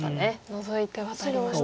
ノゾいてワタりました。